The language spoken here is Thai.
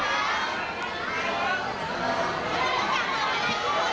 สวัสดีครับ